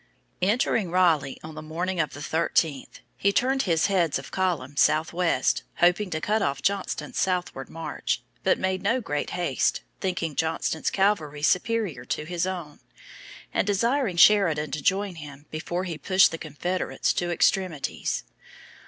Entering Raleigh on the morning of the thirteenth, he turned his heads of column southwest, hoping to cut off Johnston's southward march, but made no great haste, thinking Johnston's cavalry superior to his own, and desiring Sheridan to join him before he pushed the Confederates to extremities.